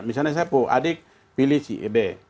misalnya saya adik pilih si b